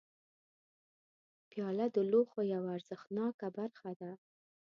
پیاله د لوښو یوه ارزښتناکه برخه ده.